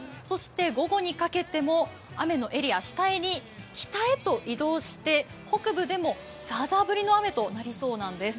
午後にかけても雨のエリア次第に北へと移動して北部でもザーザー降りの雨となりそうなんです。